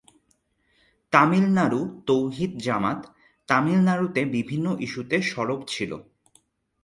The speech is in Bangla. তামিলনাড়ু তৌহিদ জামাত তামিলনাড়ুতে বিভিন্ন ইস্যুতে সরব ছিল।